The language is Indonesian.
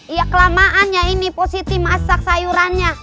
ya kelamaannya ini positi masak sayurannya